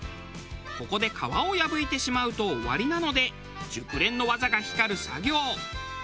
ここで皮を破いてしまうと終わりなので熟練の技が光る作業。